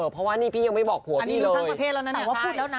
เพราะว่านี้พี่ยังไม่บอกผัวทีเลย